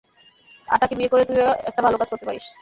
আর তাকে বিয়ে করে তুইও একটা ভালো কাজ করতে পারিস।